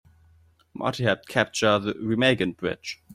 Marty helped capture the Remagen Bridge.